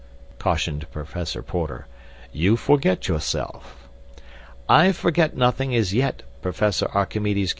cautioned Professor Porter; "you forget yourself." "I forget nothing as yet, Professor Archimedes Q.